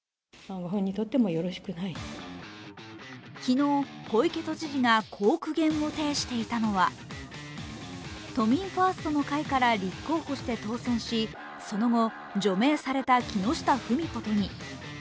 昨日小池都知事がこう苦言を呈していたのは、都民ファーストの会から立候補して当選しその後、除名された木下富美子都議。